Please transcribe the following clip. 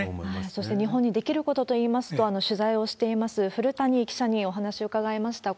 そして日本にできることといいますと、取材をしています、古谷記者にお話を伺いました。